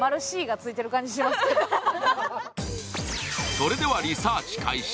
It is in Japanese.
それではリサーチ開始。